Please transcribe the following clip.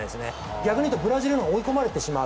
逆に言うとブラジルのほうが追い込まれてしまう。